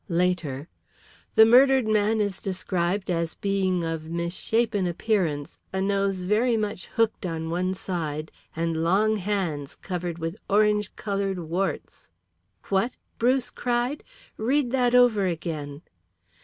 "'Later. The murdered man is described as being of misshapen appearance, a nose very much hooked on one side, and long hands, covered with orange coloured warts '" "What?" Bruce cried. "Read that over again."